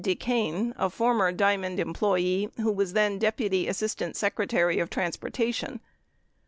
DeCain, a former Diamond employee who was then deputy assistant secretary of transportation.